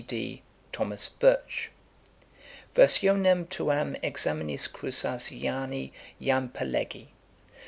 S. P. D. THOMAS BIRCH. 'Versionem tuam Examinis Crousasiani jam perlegi.